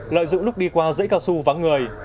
lợi dụng lúc đi qua dãy cao su vắng người